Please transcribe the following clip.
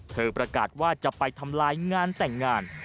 ประกาศว่าจะไปทำลายงานแต่งงาน